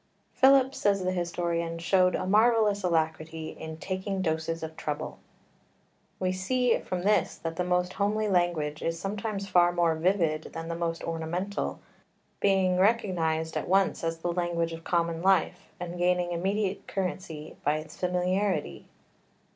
"Philip," says the historian, "showed a marvellous alacrity in taking doses of trouble." We see from this that the most homely language is sometimes far more vivid than the most ornamental, being recognised at once as the language of common life, and gaining immediate currency by its familiarity.